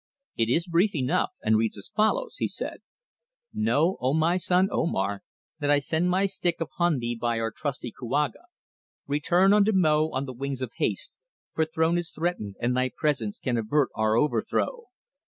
"It is brief enough, and reads as follows," he said: "'_Know, O my son Omar, that I send my stick unto thee by our trusty Kouaga. Return unto Mo on the wings of haste, for our throne is threatened and thy presence can avert our overthrow.